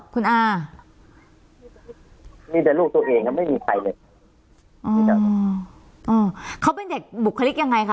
คุณอามีแต่ลูกตัวเองแล้วไม่มีใครเลยอ๋อเขาเป็นเด็กบุคลิกยังไงคะ